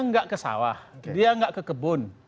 enggak ke sawah dia nggak ke kebun